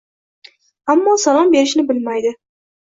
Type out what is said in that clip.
Ammo salom berishni bilmaydi.